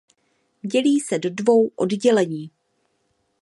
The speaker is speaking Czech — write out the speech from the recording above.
Dělí se do dvou oddělení.